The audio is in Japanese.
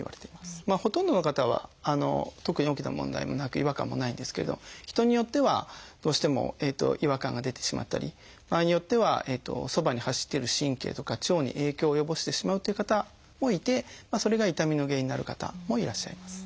ほとんどの方は特に大きな問題もなく違和感もないんですけど人によってはどうしても違和感が出てしまったり場合によってはそばに走っている神経とか腸に影響を及ぼしてしまうという方もいてそれが痛みの原因になる方もいらっしゃいます。